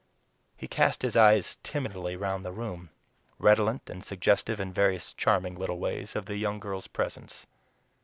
He cast his eyes timidly round the room, redolent and suggestive in various charming little ways of the young girl's presence.